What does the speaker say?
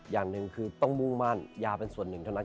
อย่างหนึ่งคือต้องมุ่งมั่นยาเป็นส่วนหนึ่งเท่านั้น